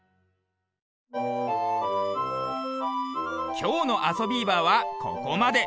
きょうの「あそビーバー」はここまで。